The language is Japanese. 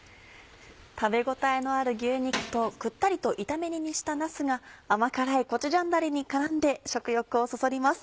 食べ応えのある牛肉とくったりと炒め煮にしたなすが甘辛いコチュジャンダレに絡んで食欲をそそります。